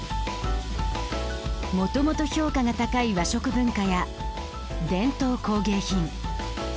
もともと評価が高い和食文化や伝統工芸品。